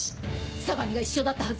相模が一緒だったはず！